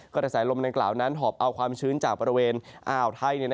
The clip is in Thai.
กระแสลมดังกล่าวนั้นหอบเอาความชื้นจากบริเวณอ่าวไทย